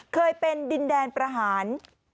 เคยเป็นดินแดนประหาร